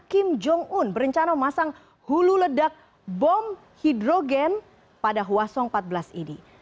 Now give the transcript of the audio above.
kim jong un berencana memasang hulu ledak bom hidrogen pada hwasong empat belas ini